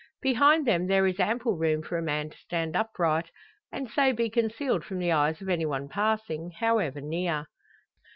Behind them there is ample room for a man to stand upright, and so be concealed from the eyes of anyone passing, however near.